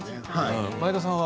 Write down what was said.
前田さんは？